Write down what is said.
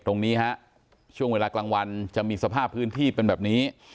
ตรงนี้ฮะช่วงเวลากลางวันจะมีสภาพพื้นที่เป็นแบบนี้